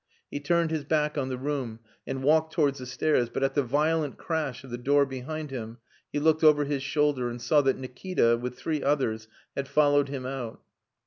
He turned his back on the room, and walked towards the stairs, but, at the violent crash of the door behind him, he looked over his shoulder and saw that Nikita, with three others, had followed him out.